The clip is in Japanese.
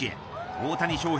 大谷翔平